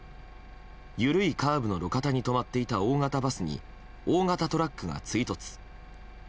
緩いカーブの路肩に止まっていた大型バスに大型トラックが追突。